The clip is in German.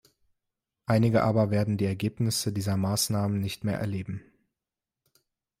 Einige aber werden die Ergebnisse dieser Maßnahmen nicht mehr erleben.